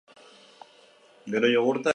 Bertan atxilotu eta Mexikora eraman zuten.